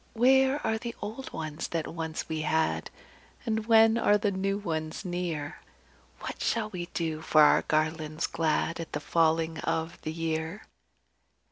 Where are the old ones that once we had, And when are the new ones near? What shall we do for our garlands glad At the falling of the year?"